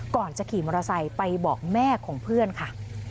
ก่อนจะขี่มอเตอร์ไซค์ไปบอกแม่ของเพื่อนค่ะ